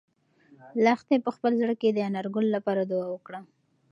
لښتې په خپل زړه کې د انارګل لپاره دعا وکړه.